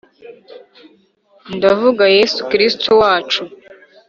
ndavuga yezu kristu wacu